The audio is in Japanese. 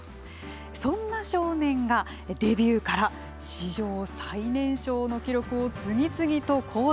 そんな少年がデビューから史上最年少の記録を次々と更新。